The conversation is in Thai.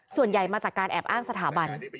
ส่วนใหญ่มาจากการแอบอ้างสถาบัน